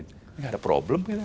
tidak ada problem